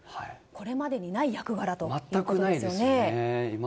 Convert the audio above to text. これまでにない役柄ということですね。